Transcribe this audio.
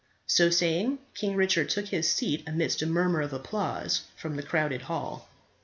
So saying King Richard took his seat amidst a murmur of applause from the crowded hall.